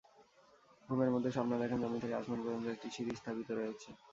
ঘুমের মধ্যে স্বপ্নে দেখেন, যমীন থেকে আসমান পর্যন্ত একটি সিঁড়ি স্থাপিত রয়েছে।